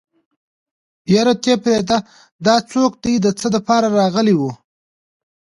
يره ته پرېده دا څوک ده د څه دپاره راغلې وه.